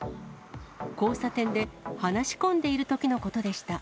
交差点で話し込んでいるときのことでした。